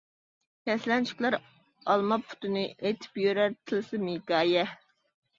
كەسلەنچۈكلەر ئالماپ پۇتىنى، ئېيتىپ يۈرەر تىلسىم ھېكايە.